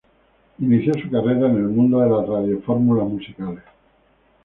Inició su carrera en el mundo de las radiofórmulas musicales.